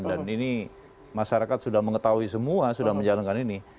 dan ini masyarakat sudah mengetahui semua sudah menjalankan ini